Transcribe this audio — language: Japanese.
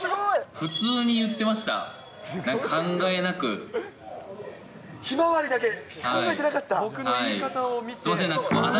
普通に言ってました、考えなひまわりだけ考えてなかった？